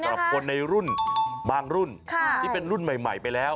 สำหรับคนในรุ่นบางรุ่นที่เป็นรุ่นใหม่ไปแล้ว